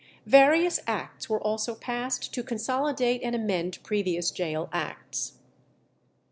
Various acts were also passed to consolidate and amend previous gaol acts.